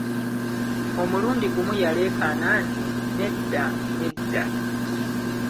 Omulundi gumu yaleekaana nti nedda, nedda.